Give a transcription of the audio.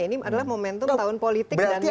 ini adalah momentum tahun politik dan